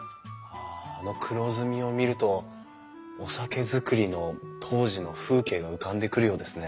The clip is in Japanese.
あの黒ずみを見るとお酒造りの当時の風景が浮かんでくるようですね。